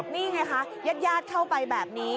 นี่ไงคะญาติเข้าไปแบบนี้